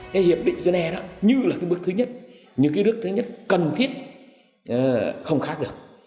cái hiệp định gene đó như là cái bước thứ nhất như cái bước thứ nhất cần thiết không khác được